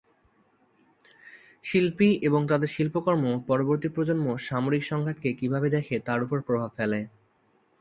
শিল্পী এবং তাদের শিল্পকর্ম পরবর্তী প্রজন্ম সামরিক সংঘাতকে কিভাবে দেখে তার উপর প্রভাব ফেলে।